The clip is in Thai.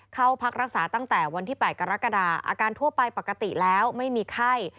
เข้าพักรักษาตั้งแต่วันที่๘กรกฎาอาการทั่วไปปกติแล้วไม่มีไข้